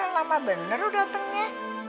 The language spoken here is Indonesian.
lama bener lo datengnya